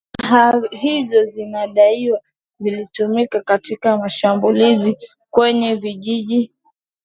Silaha hizo zinadaiwa zilitumika katika mashambulizi kwenye vijiji